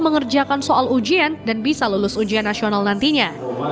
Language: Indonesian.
mengerjakan soal ujian dan bisa lulus ujian nasional nantinya